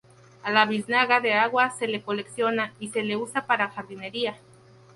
A la biznaga de agua se le colecciona y se le usa para jardinería.